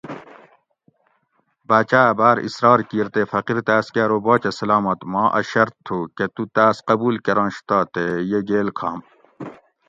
باۤچاۤ اۤ باۤر اصرار کِیر تے فقیر تاۤس کہ ارو باچہ سلامت ما اۤ شرط تھو کہ تُو تاۤس قبُول کرنش تہ تے یہ گیل کھم